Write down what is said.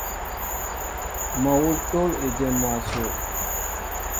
Mol awŭ tól ejém mwaso.